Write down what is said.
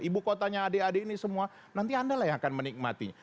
ibu kotanya adik adik ini semua nanti anda lah yang akan menikmatinya